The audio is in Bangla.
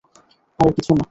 আরে কিছু না।